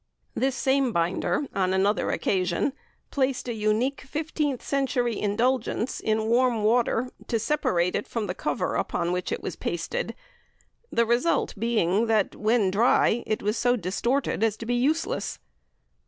This same binder, on another occasion, placed a unique fifteenth century Indulgence in warm water, to separate it from the cover upon which it was pasted, the result being that, when dry, it was so distorted as to be useless.